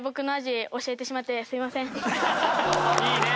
いいね。